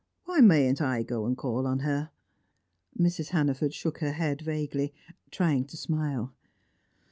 Why mayn't I go and call on her?" Mrs. Hannaford shook her head, vaguely, trying to smile.